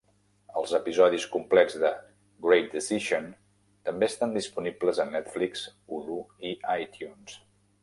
Els episodis complets de "Great Decision" també estan disponibles a Netflix, Hulu i iTunes.